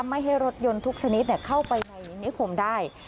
ไม่ให้รถยนต์ทุกชนิดเข้าไปในนิคมได้